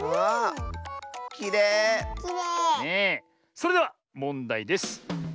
それではもんだいです。